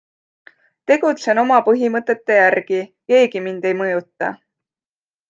Tegutsen oma põhimõtete järgi, keegi mind ei mõjuta.